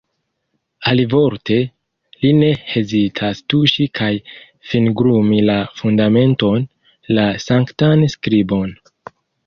Alivorte, li ne hezitas tuŝi kaj fingrumi la fundamenton, la sanktan skribon.